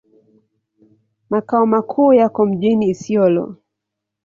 Makao makuu yako mjini Isiolo.